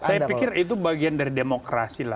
saya pikir itu bagian dari demokrasi lah